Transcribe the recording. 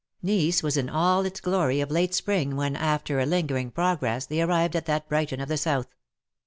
Nice was in all its glory of late spring when^ after a liogering progress,, they arrived at that Brighton of the south.